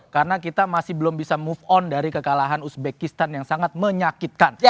karena kita masih belum bisa move on dari kekalahan uzbekistan yang sangat menyakitkan